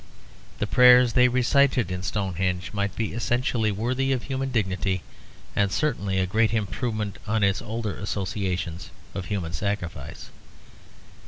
The prayers they recited in Stonehenge might be essentially worthy of human dignity, and certainly a great improvement on its older associations of human sacrifice.